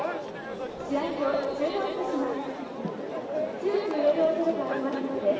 試合を中断いたします。